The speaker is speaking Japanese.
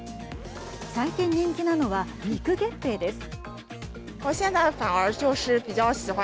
最近、人気なのは肉月餅です。